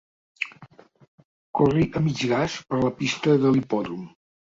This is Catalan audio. Corri a mig gas per la pista de l'hipòdrom.